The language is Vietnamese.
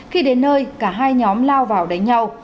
khi đến nơi cả hai nhóm lao vào đánh nhau